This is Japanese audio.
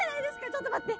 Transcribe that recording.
ちょっと待って！